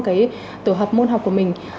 cái tổ hợp môn học của mình